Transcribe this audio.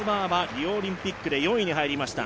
リオオリンピックで４位に入りました。